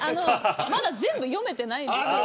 まだ全部読めていないんです。